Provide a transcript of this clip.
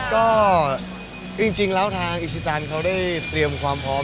สุดท้ายอะไรอย่างนี้ก็จริงแล้วทางอิชิตันเขาได้เตรียมความพร้อม